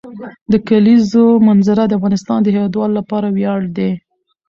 د کلیزو منظره د افغانستان د هیوادوالو لپاره ویاړ دی.